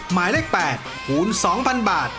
หมายเลข๘คูณ๒๐๐๐บาท